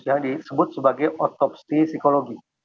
yang disebut sebagai otopsi psikologi